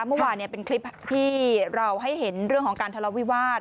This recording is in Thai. เมื่อวานเป็นคลิปที่เราให้เห็นเรื่องของการทะเลาวิวาส